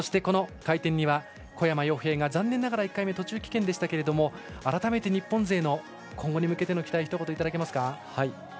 回転には小山陽平が残念ながら１回目、棄権でしたけど改めて日本勢の今後に向けてひと言いただけますか。